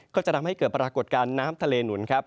ก็จะทำให้เกิดปรากฏการณ์น้ำทะเลหนุนครับ